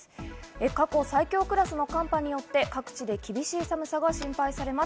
過去最強クラスの寒波によって各地で厳しい寒さが心配されます。